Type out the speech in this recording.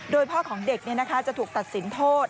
โดยพ่อของเด็กจะถูกตัดสินโทษ